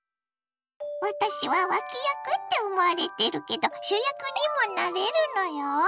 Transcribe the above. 「私は脇役って思われてるけど主役にもなれるのよ」。